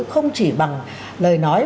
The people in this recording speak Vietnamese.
không chỉ bằng lời nói